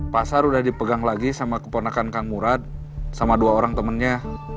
pak sar udah dipegang lagi sama keponakan kang murad sama dua orang temennya